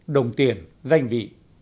đồng tiền danh vị